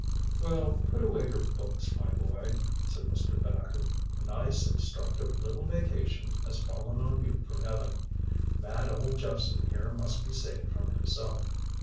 "Well, put away your books, my boy," said Mr. Thacker. "A nice, instructive little vacation has fallen on you from heaven. Mad old Jephson here must be saved from himself.